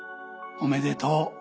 「おめでとう！」